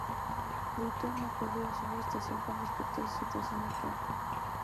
Button no ocultó su frustración con respecto a su situación actual.